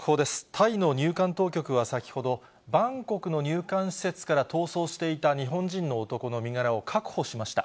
タイの入管当局は先ほど、バンコクの入管施設から逃走していた日本人の男の身柄を確保しました。